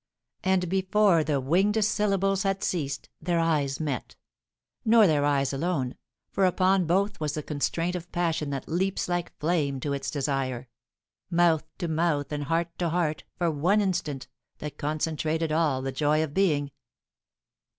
And before the winged syllables had ceased, their eyes met; nor their eyes alone, for upon both was the constraint of passion that leaps like flame to its desire mouth to mouth and heart to heart for one instant that concentrated all the joy of being.